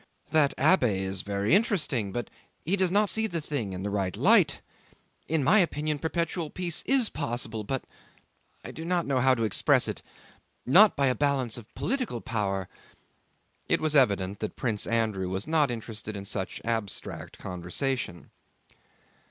"That abbé is very interesting but he does not see the thing in the right light.... In my opinion perpetual peace is possible but—I do not know how to express it ... not by a balance of political power...." It was evident that Prince Andrew was not interested in such abstract conversation.